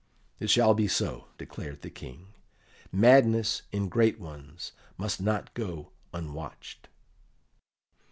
"It shall be so," declared the King. "Madness in great ones must not go unwatched."